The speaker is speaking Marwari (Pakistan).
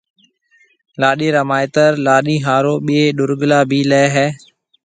لاڏيِ را مائيتر لاڏيِ هارون ٻي ڏورگلا بي ليَ هيَ۔